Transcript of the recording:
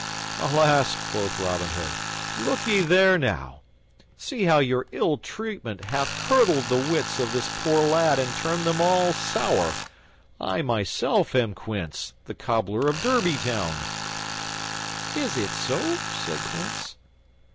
"Alas!" quoth Robin Hood, "look ye there, now! See how your ill treatment hath curdled the wits of this poor lad and turned them all sour! I, myself, am Quince, the Cobbler of Derby Town." "Is it so?" said Quince.